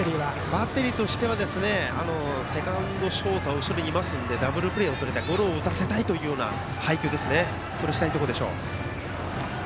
バッテリーとしてはセカンド、ショートが後ろにいますのでダブルプレーをとりたいゴロを打たせたいという配球をしたいところでしょう。